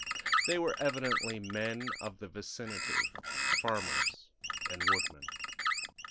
They were evidently men of the vicinity farmers and woodmen.